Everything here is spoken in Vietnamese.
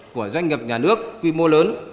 của doanh nghiệp nhà nước quy mô lớn